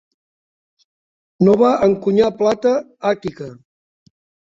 No va encunyar plata àtica.